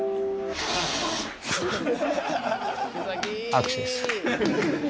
握手です